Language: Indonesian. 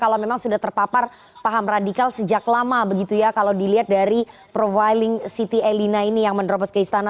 kalau memang sudah terpapar paham radikal sejak lama begitu ya kalau dilihat dari profiling siti elina ini yang menerobos ke istana